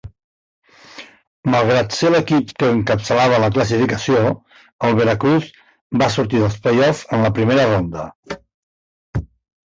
Malgrat ser l'equip que encapçalava la classificació, el Veracruz va sortir dels play-offs en la primera ronda.